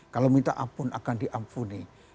kalau minta ampun akan diampuni